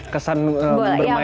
kesan bermain bersama senior ya